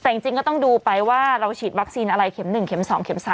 แต่จริงก็ต้องดูไปว่าเราฉีดวัคซีนอะไรเข็ม๑เม็ม๒เม็ม๓